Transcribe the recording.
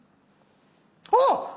あっ！